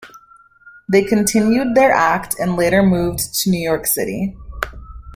They continued their act and later moved to New York City.